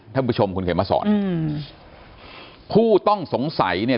ท่านผู้ชมคุณเขียนมาสอนอืมผู้ต้องสงสัยเนี่ย